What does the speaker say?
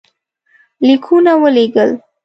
لیکونه ولېږل.